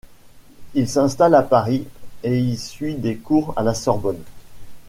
Il s'installe à Paris et y suit des cours à la Sorbonne.